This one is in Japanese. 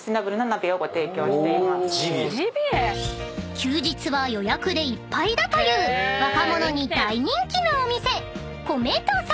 ［休日は予約でいっぱいだという若者に大人気のお店］